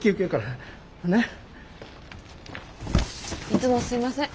いつもすいません。